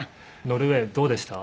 ノルウェーどうでした？